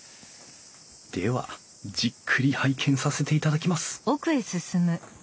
ではじっくり拝見させていただきます